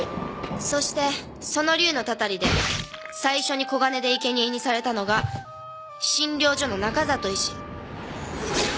そしてその竜のたたりで最初に金で生け贄にされたのが診療所の中里医師。